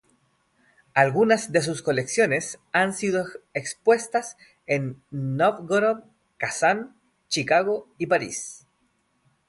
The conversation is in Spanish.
Algunas de sus colecciones han sido expuestas en Nóvgorod, Kazán, Chicago y París.